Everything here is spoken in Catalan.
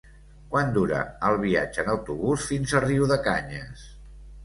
Quant dura el viatge en autobús fins a Riudecanyes?